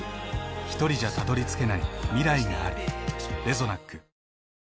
ひとりじゃたどりつけない未来がある。